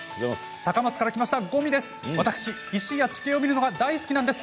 高松から来ました五味です。